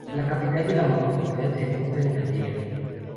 La capital de la mancomunidad se encuentra en Gandía.